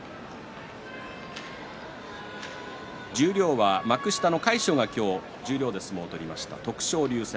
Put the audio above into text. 十両は幕下の魁勝が十両で相撲を取りました徳勝龍戦。